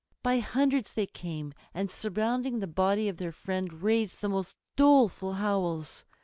By hundreds they came, and surrounding the body of their friend raised the most doleful howls.